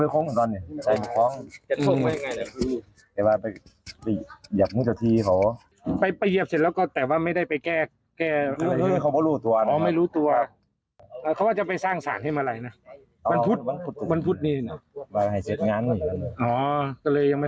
ก็เลยยังไม่ทันสร้างซ้ำอีกค่ะ